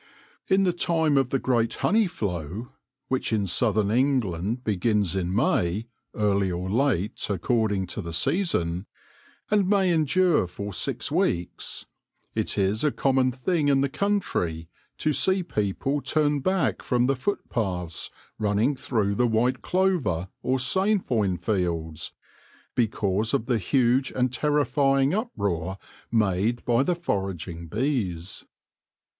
In the time of the great honey flow — which in southern England begins in May, early or late, ac cording to the season, and may endure for six weeks — it is a common thing in the country to see people turn back from the footpaths, running through the white clover or sainfoin fields, because of the huge and terrifying uproar made by the foraging bees.